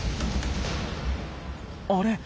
あれ？